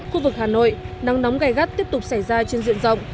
khu vực hà nội nắng nóng gai gắt tiếp tục xảy ra trên diện rộng